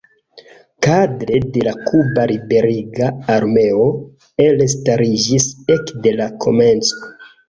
Kadre de la Kuba Liberiga Armeo elstariĝis ekde la komenco.